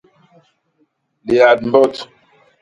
Liat mbot.